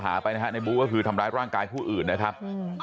หาไปนะครับในบุ๊คว่าคือทำร้ายร่างกายผู้อื่นนะครับ